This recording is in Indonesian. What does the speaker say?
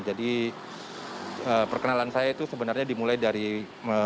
jadi perkenalan saya itu sebenarnya dimulai dari militer